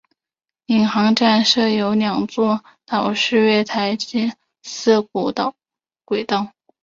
领航站设有两座岛式月台及四股轨道。